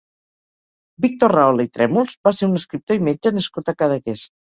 Víctor Rahola i Trèmols va ser un escriptor i metge nascut a Cadaqués.